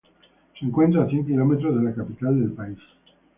Se encuentra a cien kilómetros de la capital del país.